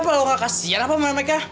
tapi apa lo gak kasihan apa sama mereka